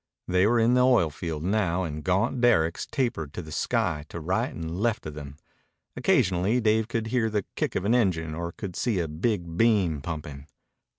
They were in the oil field now and gaunt derricks tapered to the sky to right and left of them. Occasionally Dave could hear the kick of an engine or could see a big beam pumping.